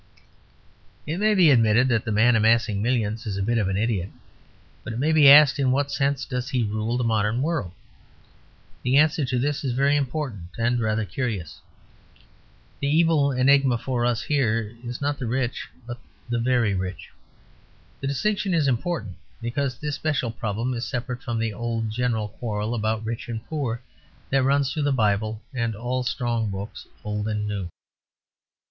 It may be admitted that the man amassing millions is a bit of an idiot; but it may be asked in what sense does he rule the modern world. The answer to this is very important and rather curious. The evil enigma for us here is not the rich, but the Very Rich. The distinction is important; because this special problem is separate from the old general quarrel about rich and poor that runs through the Bible and all strong books, old and new.